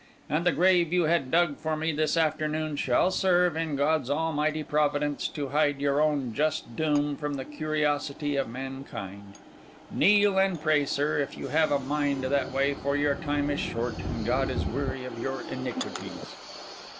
And the grave you had dug for me this afternoon shall serve, in God's almighty providence, to hide your own just doom from the curiosity of mankind. Kneel and pray, sir, if you have a mind that way; for your time is short, and God is weary of your iniquities."